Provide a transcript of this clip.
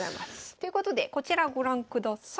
ということでこちらご覧ください。